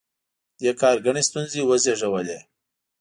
دې کار ګڼې ستونزې وزېږولې.